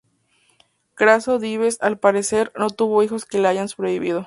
Craso Dives, al parecer, no tuvo hijos que le hayan sobrevivido.